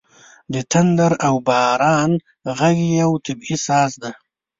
• د تندر او باران ږغ یو طبیعي ساز دی.